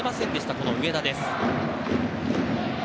この上田です。